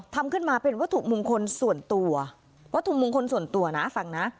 ทำขึ้นมาเป็นวัตถุมงคลส่วนตัววัตถุมงคลส่วนตัวนะฟังนะ